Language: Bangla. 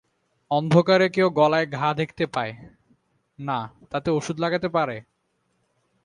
অন্ধকারে কেউ গলায় ঘা দেখতে পায়, না, তাতে ওষুধ লাগাতে পারে?